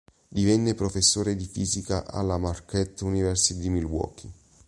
Divenne professore di fisica alla Marquette University di Milwaukee.